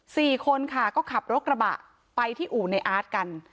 สี่คนค่ะก็ขับรถกระบะไปที่อู่ในอาร์ตกัน